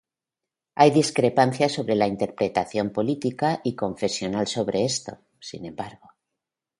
Hay discrepancias sobre la interpretación política y confesional sobre esto, sin embargo.